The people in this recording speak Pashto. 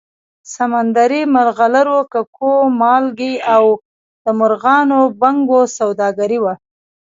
سمندري مرغلرو، ککو، مالګې او د مرغانو بڼکو سوداګري وه